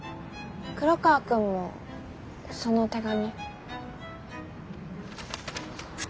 黒川くんもその手紙。